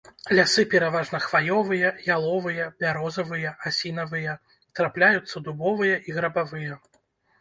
Лясы пераважна хваёвыя, яловыя, бярозавыя, асінавыя, трапляюцца дубовыя і грабавыя.